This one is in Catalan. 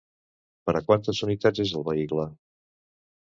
Per a quantes unitats és el vehicle?